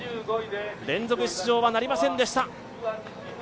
連続出場はなりませんでした。